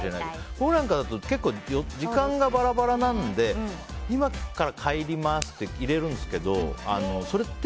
僕らなんかだと時間がバラバラなので今から帰りますって入れるんですけどそれって、